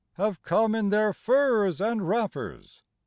Have come in their furs and v\rapper5.